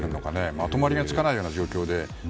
まとまりがつかないような状況で。